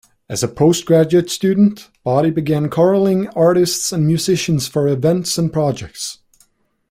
As a postgraduate student, Body began corralling artists and musicians for events and projects.